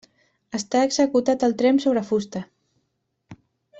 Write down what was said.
Està executat al tremp sobre fusta.